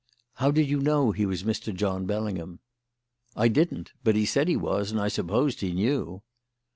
"How did you know he was Mr. John Bellingham?" "I didn't; but he said he was, and I supposed he knew."